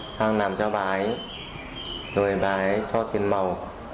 sang làm cho bà ấy rồi bà ấy cho tiền màu